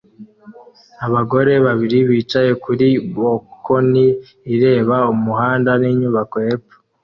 Abagabo babiri bicaye kuri bkoni ireba umuhanda ninyubako hepfo